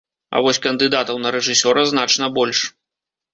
А вось кандыдатаў на рэжысёра значна больш.